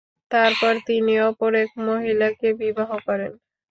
তারপর তিনি অপর এক মহিলাকে বিবাহ করেন।